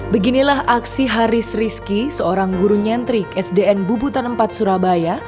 beginilah aksi haris rizki seorang guru nyentrik sdn bubutan empat surabaya